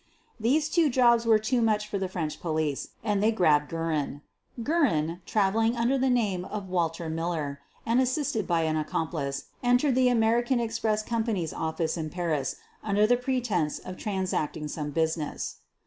These two jobs were too much for the French police, and they grabbed Guerin. Guerin, traveling under the name of Walter Mil ler, and assisted by an accomplice, entered the American Express Company's office in Paris under the pretense of transacting some business.